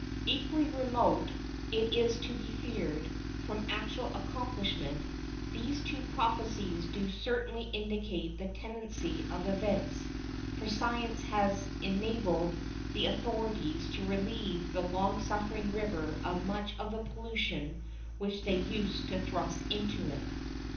Equally remote, it is to be feared, from actual accomplishment, these two prophecies do certainly indicate the tendency of events, for science has enabled the authorities to relieve the long suffering river of much of the pollution which they used to thrust into it.